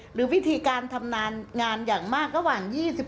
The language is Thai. หรือวิธีการทำงานงานอย่างมากระหว่าง๒๑